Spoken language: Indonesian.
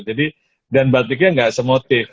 jadi dan batiknya gak semotif